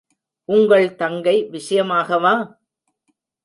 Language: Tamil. உங்கள் தங்கை விஷயமாகவா?